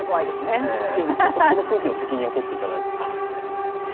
この空気の責任をとっていただいて。